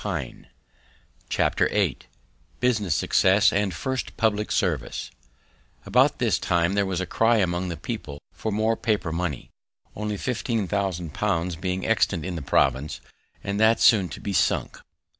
VIII BUSINESS SUCCESS AND FIRST PUBLIC SERVICE About this time there was a cry among the people for more paper money, only fifteen thousand pounds being extant in the province, and that soon to be sunk.